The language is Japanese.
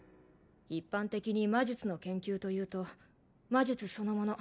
一般的に魔術の研究というと魔術そのもの